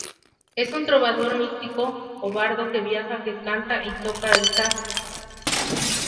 Es un trovador místico o bardo que viaja que canta y toca el saz.